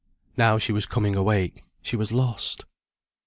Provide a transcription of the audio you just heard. Now she was coming awake, she was lost.